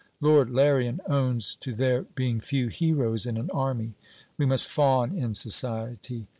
Lord Larrian owns to there being few heroes in an army. We must fawn in society.